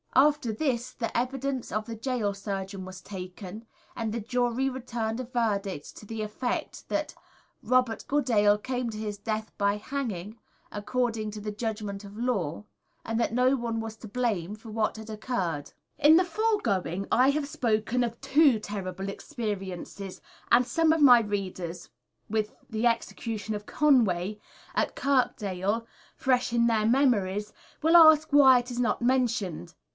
After this the evidence of the Gaol Surgeon was taken, and the jury returned a verdict to the effect that "Robert Goodale came to his death by hanging, according to the judgment of the law; and that no one was to blame for what had occurred." In the foregoing I have spoken of two terrible experiences, and some of my readers, with the execution of Conway, at Kirkdale, fresh in their memories, will ask why it is not mentioned.